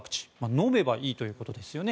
飲めばいいということですよね。